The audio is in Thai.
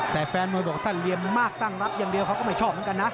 แต่แฟนมวยบอกถ้าเรียนมากตั้งรับอย่างเดียวเขาก็ไม่ชอบเหมือนกันนะ